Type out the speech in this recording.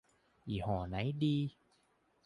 ยี่ห้อไหนดี